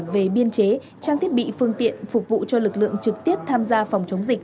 về biên chế trang thiết bị phương tiện phục vụ cho lực lượng trực tiếp tham gia phòng chống dịch